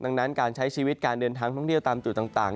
ดังนั้นการใช้ชีวิตการเดินทางท่องเที่ยวตามจุดต่าง